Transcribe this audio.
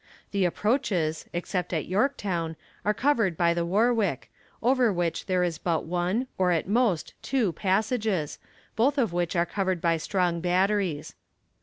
The approaches, except at Yorktown, are covered by the Warwick, over which there is but one, or at most, two passages, both of which are covered by strong batteries.